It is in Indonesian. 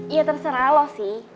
ya terserah lo sih